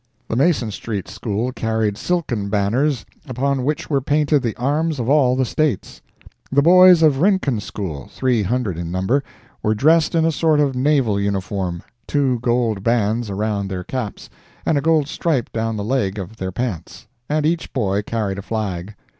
The Mason Street School carried silken banners, upon which were painted the arms of all the States. The boys of Rincon School, three hundred in number, were dressed in a sort of naval uniform, (two gold bands around their caps, and a gold stripe down the leg of their pants,) and each boy carried a flag.